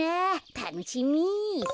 たのしみ。